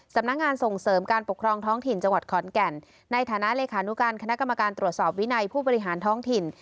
สำนักงานส่งเสริมการปกครองท้องถิ่นจังหวัดขอนแก่นในฐานะเลขานุการคณะกรรมการตรวจสอบวินัยผู้บริหารท้องถิ่น